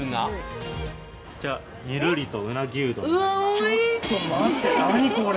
ちょっと待って何これ。